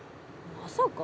まさか。